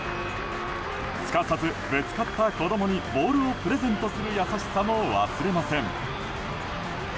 すかさずぶつかった子供にボールをプレゼントする優しさも忘れません。